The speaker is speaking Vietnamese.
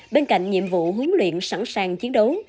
bên cạnh nhiệm vụ huấn luyện sẵn sàng chiến đấu